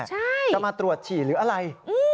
ใช่จะมาตรวจฉี่หรืออะไร